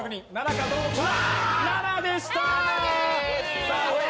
７でした！